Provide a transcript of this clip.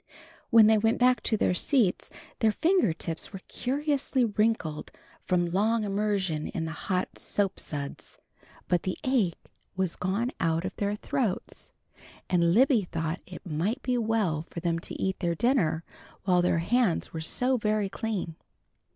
When they went back to their seats their finger tips were curiously wrinkled from long immersion in the hot soap suds, but the ache was gone out of their throats, and Libby thought it might be well for them to eat their dinner while their hands were so very clean.